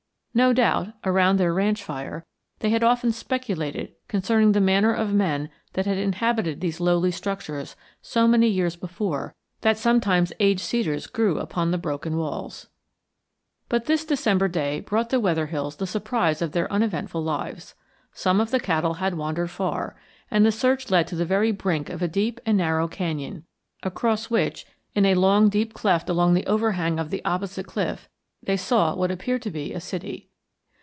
No doubt, around their ranch fire, they had often speculated concerning the manner of men that had inhabited these lowly structures so many years before that sometimes aged cedars grew upon the broken walls. But this December day brought the Wetherills the surprise of their uneventful lives. Some of the cattle had wandered far, and the search led to the very brink of a deep and narrow canyon, across which, in a long deep cleft under the overhang of the opposite cliff, they saw what appeared to be a city.